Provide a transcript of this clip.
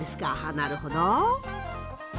なるほど。